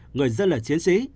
người dân là chiến sĩ